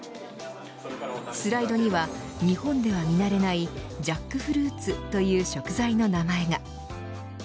スライドには日本では見慣れないジャックフルーツという食材の名前が。